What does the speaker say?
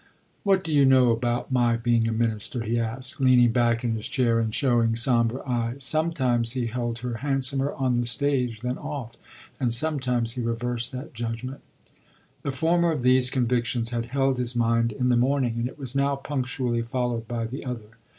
"What do you know about my being a minister?" he asked, leaning back in his chair and showing sombre eyes. Sometimes he held her handsomer on the stage than off, and sometimes he reversed that judgement. The former of these convictions had held his mind in the morning, and it was now punctually followed by the other.